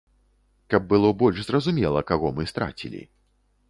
Каб было больш зразумела, каго мы страцілі.